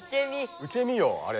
受け身よあれ。